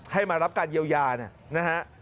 ให้มารับการเยียวยานะฮะ